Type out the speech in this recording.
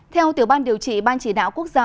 theo tiểu ban điều trị ban chỉ đạo quốc gia